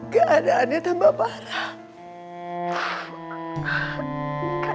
keadaannya tambah parah